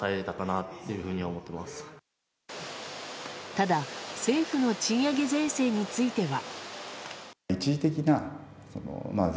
ただ、政府の賃上げ税制については。